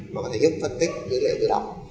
mà có thể giúp phân tích dữ liệu tự động